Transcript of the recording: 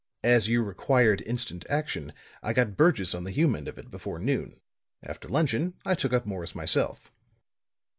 "As you required instant action I got Burgess on the Hume end of it before noon; after luncheon I took up Morris myself."